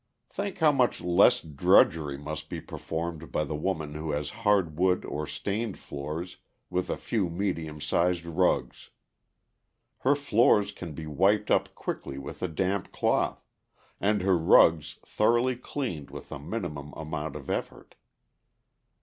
"Think how much less drudgery must be performed by the woman who has hard wood or stained floors with a few medium sized rugs! Her floors can be wiped up quickly with a damp cloth, and her rugs thoroughly cleaned with a minimum amount of effort.